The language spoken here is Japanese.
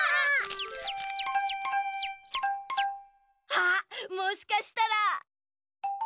あっもしかしたら。